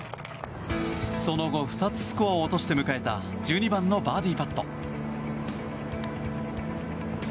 その後２つ、スコアを落として迎えた１２番のバーディーパット。